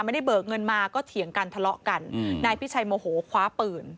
เบิกเงินมาก็เถียงกันทะเลาะกันอืมนายพิชัยโมโหคว้าปืน